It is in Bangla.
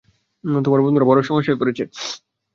তোমার বন্ধুরা বড় সমস্যায় পড়েছে।